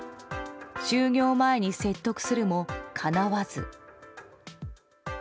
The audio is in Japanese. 就業前に説得するも、かなわず。